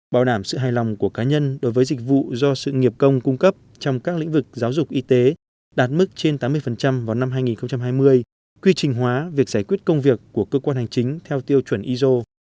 bảo đảm sự hài lòng của cá nhân đối với dịch vụ do sự nghiệp công cung cấp trong các lĩnh vực giáo dục y tế đạt mức trên tám mươi vào năm hai nghìn hai mươi quy trình hóa việc giải quyết công việc của cơ quan hành chính theo tiêu chuẩn iso